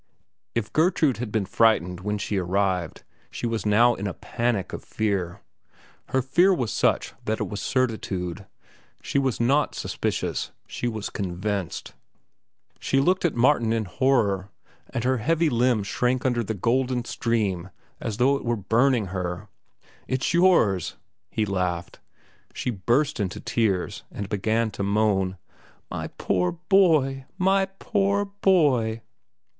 If Gertrude had been frightened when she arrived, she was now in a panic of fear. Her fear was such that it was certitude. She was not suspicious. She was convinced. She looked at Martin in horror, and her heavy limbs shrank under the golden stream as though it were burning her. "It's yours," he laughed. She burst into tears, and began to moan, "My poor boy, my poor boy!"